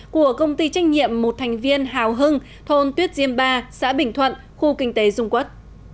của công ty trách nhiệm một thành viên hào hưng thôn tuyết diêm ba xã bình thuận khu kinh tế dung quốc